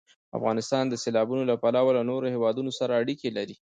افغانستان د سیلابونو له پلوه له نورو هېوادونو سره اړیکې لري.